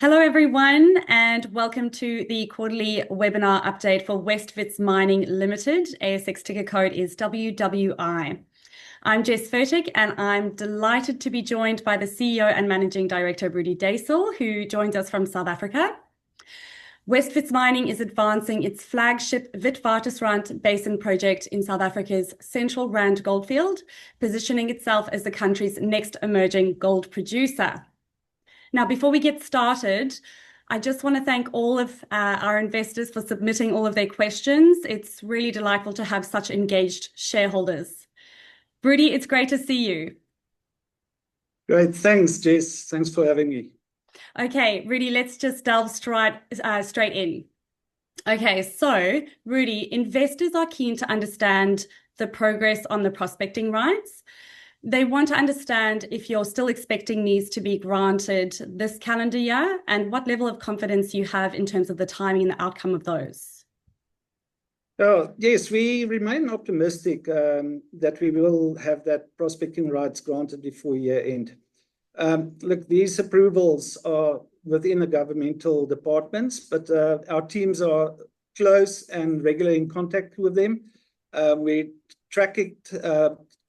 Hello everyone, and welcome to the quarterly webinar update for West Wits Mining Limited. ASX ticker code is WWI. I'm Jess Furtick, and I'm delighted to be joined by the CEO and Managing Director, Rudi Deysel, who joins us from South Africa. West Wits Mining is advancing its flagship, Witwatersrand Basin Project in South Africa's Central Rand Goldfield, positioning itself as the country's next emerging gold producer. Now, before we get started, I just want to thank all of our investors for submitting all of their questions. It's really delightful to have such engaged shareholders. Rudi, it's great to see you. Great, thanks Jess. Thanks for having me. Okay, Rudi, let's just delve straight in. Okay, so Rudi, investors are keen to understand the progress on the Prospecting Rights. They want to understand if you're still expecting these to be granted this calendar year and what level of confidence you have in terms of the timing and the outcome of those. Yes, we remain optimistic that we will have that Prospecting Rights granted before year end. Look, these approvals are within the governmental departments, but our teams are close and regularly in contact with them. We track it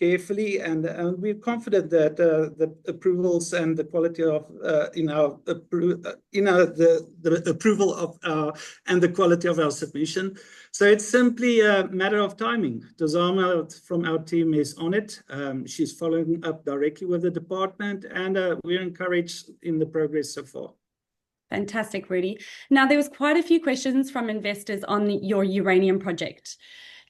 carefully, and we're confident that the approvals and the quality of, you know, the approval of our and the quality of our submission. It's simply a matter of timing. Dzarma from our team is on it. She's following up directly with the department, and we're encouraged in the progress so far. Fantastic, Rudi. Now, there were quite a few questions from investors on your uranium project.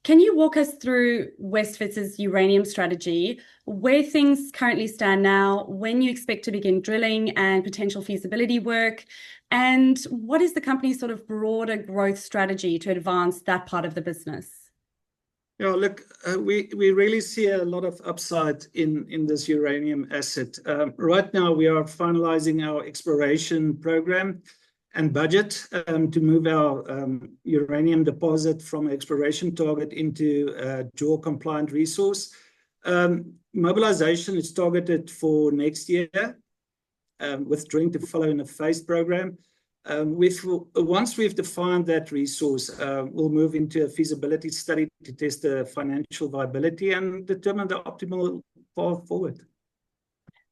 Can you walk us through West Wits's uranium strategy, where things currently stand now, when you expect to begin drilling and potential feasibility work, and what is the company's sort of broader growth strategy to advance that part of the business? Yeah, look, we really see a lot of upside in this uranium asset. Right now, we are finalizing our exploration program and budget to move our uranium deposit from an exploration target into a JORC compliant resource. Mobilization is targeted for next year, with drilling to follow in a phased program. Once we've defined that resource, we'll move into a feasibility study to test the financial viability and determine the optimal path forward.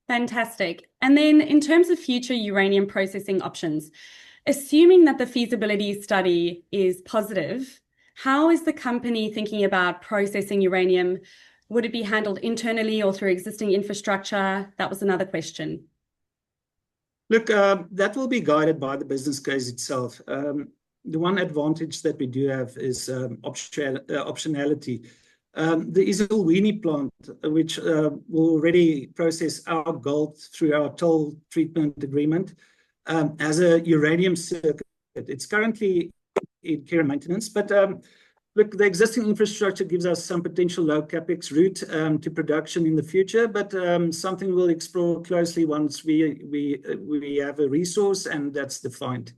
Fantastic. In terms of future uranium processing options, assuming that the feasibility study is positive, how is the company thinking about processing uranium? Would it be handled internally or through existing infrastructure? That was another question. Look, that will be guided by the business case itself. The one advantage that we do have is optionality. The Ezulwini plant, which will already process our gold through our toll treatment agreement, has a uranium circuit. It is currently in care and maintenance, but look, the existing infrastructure gives us some potential low CapEx route to production in the future, but something we will explore closely once we have a resource and that is defined.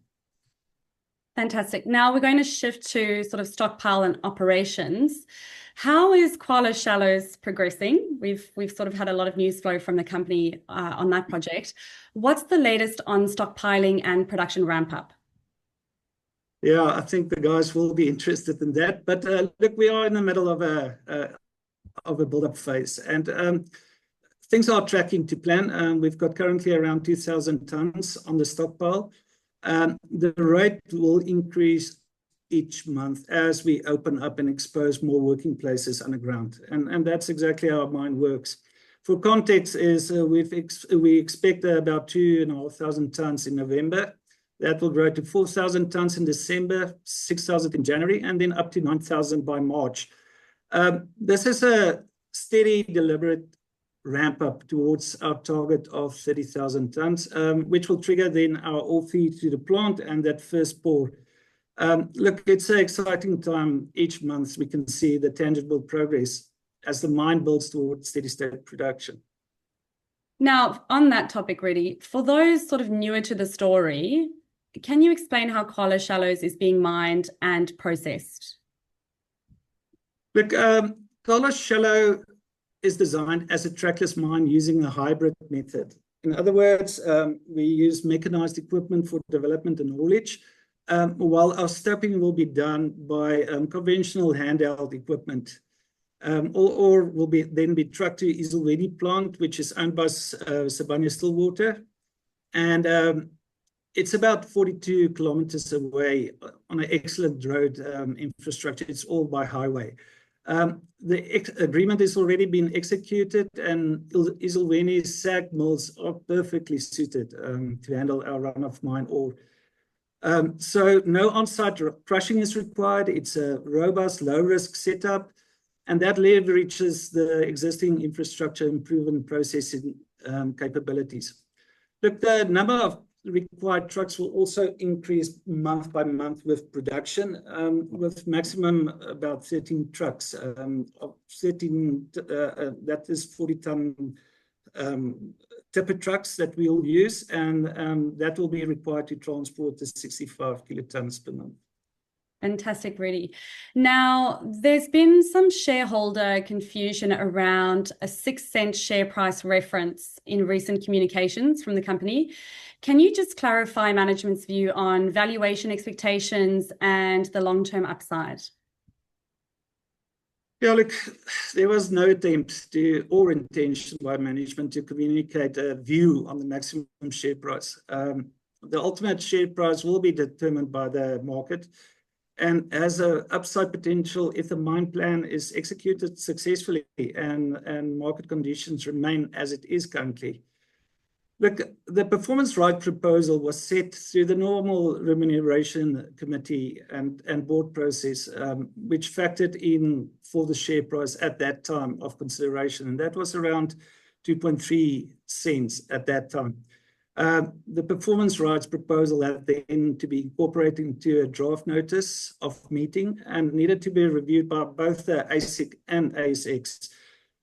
Fantastic. Now we're going to shift to sort of stockpile and operations. How is Qala Shallows progressing? We've sort of had a lot of news flow from the company on that project. What's the latest on stockpiling and production ramp-up? Yeah, I think the guys will be interested in that, but look, we are in the middle of a build-up phase, and things are tracking to plan. We've got currently around 2,000 tons on the stockpile. The rate will increase each month as we open up and expose more working places underground, and that's exactly how our mine works. For context, we expect about 2,500 tons in November. That will grow to 4,000 tons in December, 6,000 in January, and then up to 9,000 by March. This is a steady, deliberate ramp-up towards our target of 30,000 tons, which will trigger then our ore feed to the plant and that first pour. Look, it's an exciting time each month. We can see the tangible progress as the mine builds towards steady-state production. Now, on that topic, Rudi, for those sort of newer to the story, can you explain how Qala Shallows is being mined and processed? Look, Qala Shallow is designed as a trackless mine using a hybrid method. In other words, we use mechanized equipment for development and haulage, while our stoping will be done by conventional handheld equipment. Ore will then be trucked to Ezulwini Plant, which is owned by Sibanye-Stillwater. It is about 42 km away on an excellent road infrastructure. It is all by highway. The agreement has already been executed, and Ezulwini's SAG mills are perfectly suited to handle our run-of-mine ore. No on-site crushing is required. It is a robust, low-risk setup that leverages the existing infrastructure and proven processing capabilities. Look, the number of required trucks will also increase month by month with production, with a maximum of about 13 trucks. That is 40-ton tipper trucks that we will use, and that will be required to transport the 65 kilotons per month. Fantastic, Rudi. Now, there's been some shareholder confusion around a 0.06 share price reference in recent communications from the company. Can you just clarify management's view on valuation expectations and the long-term upside? Yeah, look, there was no attempt or intention by management to communicate a view on the maximum share price. The ultimate share price will be determined by the market. As an upside potential, if the mine plan is executed successfully and market conditions remain as it is currently. Look, the performance rights proposal was set through the normal remuneration committee and board process, which factored in for the share price at that time of consideration, and that was around 0.023 at that time. The performance rights proposal had been to be incorporated into a draft notice of meeting and needed to be reviewed by both the ASIC and ASX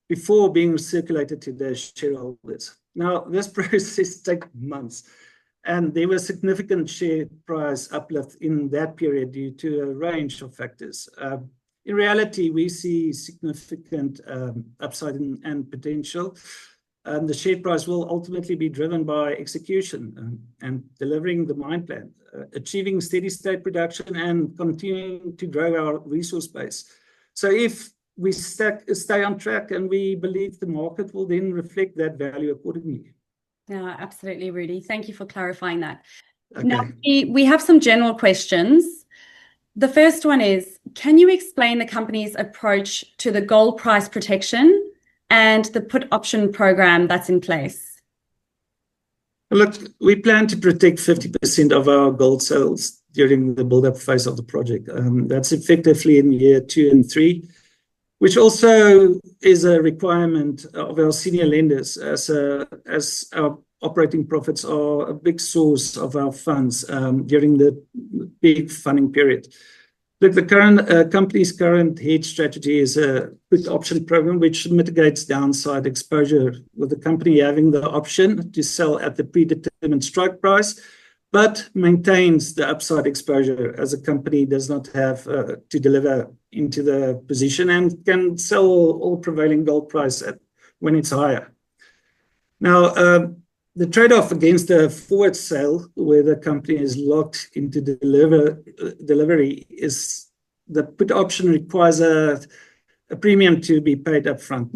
before being circulated to the shareholders. This process takes months, and there was significant share price uplift in that period due to a range of factors. In reality, we see significant upside and potential. The share price will ultimately be driven by execution and delivering the mine plan, achieving steady-state production, and continuing to grow our resource base. If we stay on track, we believe the market will then reflect that value accordingly. Yeah, absolutely, Rudi. Thank you for clarifying that. Now, we have some general questions. The first one is, can you explain the company's approach to the gold price protection and the put option program that's in place? Look, we plan to protect 50% of our gold sales during the build-up phase of the project. That's effectively in year two and three, which also is a requirement of our senior lenders as our operating profits are a big source of our funds during the big funding period. Look, the company's current hedge strategy is a put option program, which mitigates downside exposure, with the company having the option to sell at the predetermined strike price, but maintains the upside exposure as a company does not have to deliver into the position and can sell all prevailing gold price when it's higher. Now, the trade-off against the forward sale where the company is locked into delivery is the put option requires a premium to be paid upfront.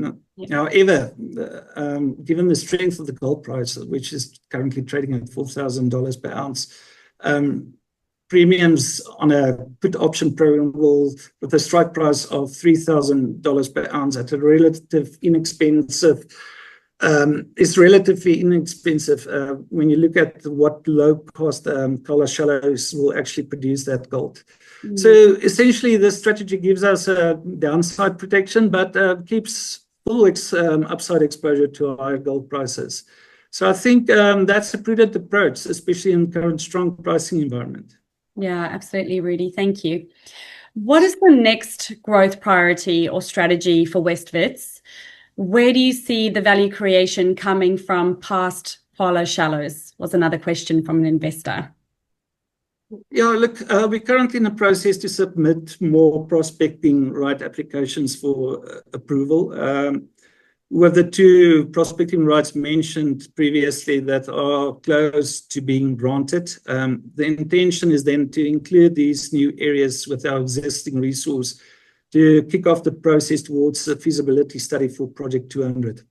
Now, given the strength of the gold price, which is currently trading at 4,000 dollars per ounce. Premiums on a put option program will, with a strike price of 3,000 dollars per ounce, at a relative inexpensive. It's relatively inexpensive when you look at what low-cost Qala Shallows will actually produce that gold. Essentially, the strategy gives us downside protection, but keeps full upside exposure to our gold prices. I think that's a prudent approach, especially in the current strong pricing environment. Yeah, absolutely, Rudi. Thank you. What is the next growth priority or strategy for West Wits? Where do you see the value creation coming from past Qala Shallows? Was another question from an investor. Yeah, look, we're currently in the process to submit more Prospecting Right applications for approval. With the two Prospecting Rights mentioned previously that are close to being granted, the intention is then to include these new areas with our existing resource to kick off the process towards a feasibility study for Project 200.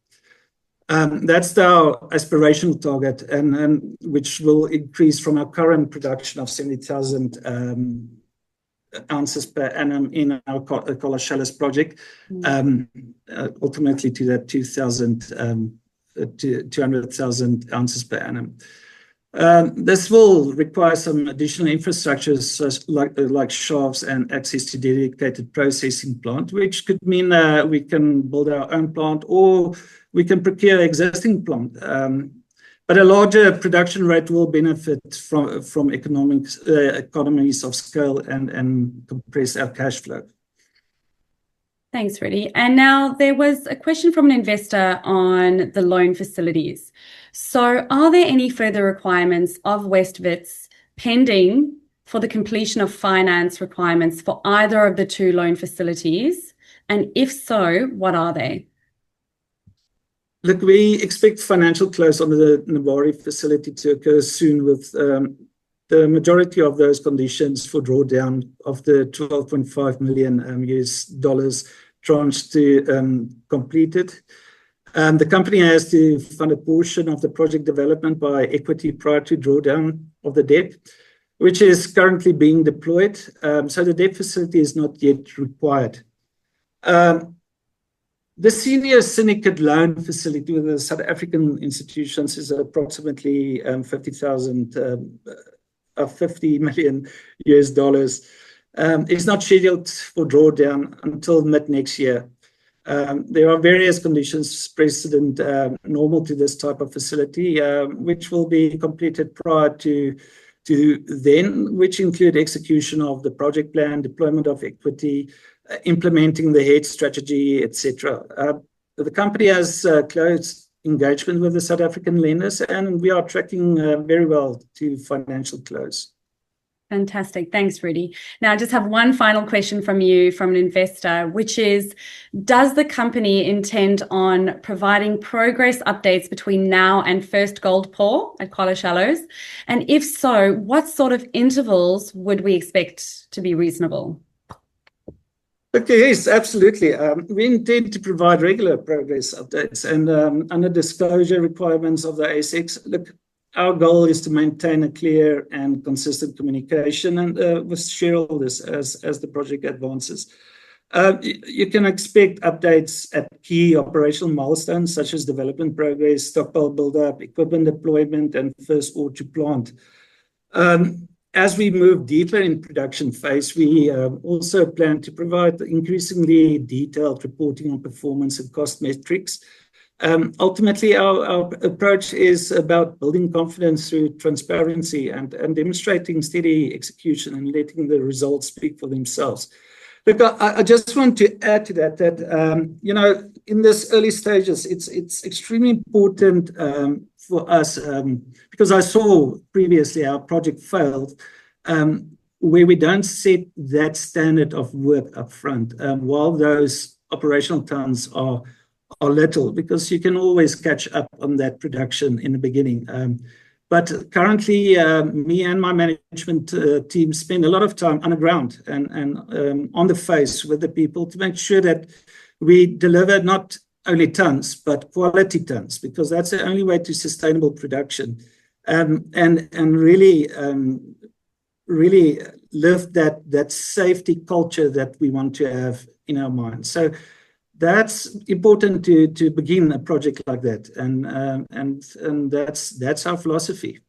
That's our aspirational target, which will increase from our current production of 70,000 oz per annum in our Qala Shallows Project, ultimately to that 200,000 oz per annum. This will require some additional infrastructure, like shafts and access to dedicated processing plant, which could mean we can build our own plant or we can procure an existing plant. A larger production rate will benefit from economies of scale and compress our cash flow. Thanks, Rudi. There was a question from an investor on the loan facilities. Are there any further requirements of West Wits pending for the completion of finance requirements for either of the two loan facilities? If so, what are they? Look, we expect financial close on the Nedbank facility to occur soon. The majority of those conditions for drawdown of the $12.5 million tranche to complete it. The company has to fund a portion of the project development by equity prior to drawdown of the debt, which is currently being deployed. The debt facility is not yet required. The senior syndicate loan facility with the South African institutions is approximately 50 million dollars. It's not scheduled for drawdown until mid next year. There are various conditions precedent normal to this type of facility, which will be completed prior to that, which include execution of the project plan, deployment of equity, implementing the hedge strategy, et cetera. The company has close engagement with the South African lenders, and we are tracking very well to financial close. Fantastic. Thanks, Rudi. Now, I just have one final question from you from an investor, which is, does the company intend on providing progress updates between now and first gold pour at Qala Shallows? If so, what sort of intervals would we expect to be reasonable? Look, yes, absolutely. We intend to provide regular progress updates and under disclosure requirements of the ASIC. Look, our goal is to maintain a clear and consistent communication with shareholders as the project advances. You can expect updates at key operational milestones such as development progress, stockpile build-up, equipment deployment, and first ore to plant. As we move deeper in the production phase, we also plan to provide increasingly detailed reporting on performance and cost metrics. Ultimately, our approach is about building confidence through transparency and demonstrating steady execution and letting the results speak for themselves. Look, I just want to add to that. In these early stages, it's extremely important for us, because I saw previously our project failed. Where we don't set that standard of work upfront, while those operational tons are little, because you can always catch up on that production in the beginning. Currently, me and my management team spend a lot of time underground and on the face with the people to make sure that we deliver not only tons, but quality tons, because that's the only way to sustainable production. Really, really lift that safety culture that we want to have in our mind. That's important to begin a project like that. That's our philosophy.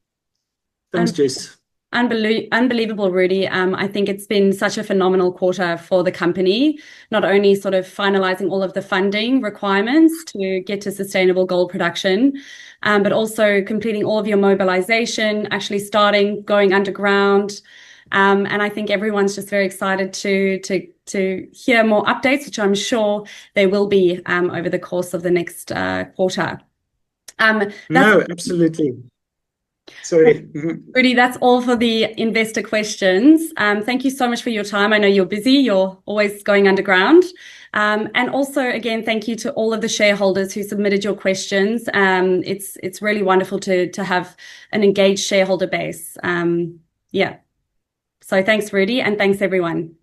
Thanks, Jess. Unbelievable, Rudi. I think it's been such a phenomenal quarter for the company, not only sort of finalizing all of the funding requirements to get to sustainable gold production, but also completing all of your mobilization, actually starting, going underground. I think everyone's just very excited to hear more updates, which I'm sure there will be over the course of the next quarter. No, absolutely. Rudi, that's all for the investor questions. Thank you so much for your time. I know you're busy. You're always going underground. Also, again, thank you to all of the shareholders who submitted your questions. It's really wonderful to have an engaged shareholder base. Yeah. Thanks, Rudi, and thanks, everyone.